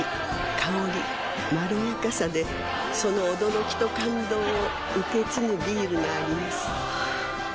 香りまろやかさでその驚きと感動を受け継ぐビールがあります